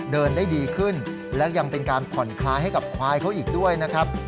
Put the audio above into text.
เดินได้ดีขึ้นและยังเป็นการผ่อนคลายให้กับควายเขาอีกด้วยนะครับ